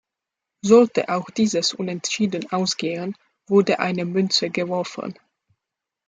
Sollte auch dieses Unentschieden ausgehen, wurde eine Münze geworfen.